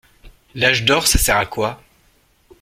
L'âge d'or ça sert à quoi?